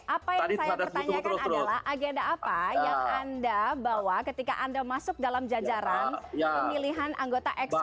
apa yang saya pertanyakan adalah agenda apa yang anda bawa ketika anda masuk dalam jajaran pemilihan anggota eksekutif